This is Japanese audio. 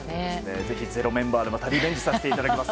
ぜひ「ｚｅｒｏ」メンバーでまたリベンジさせていただきます。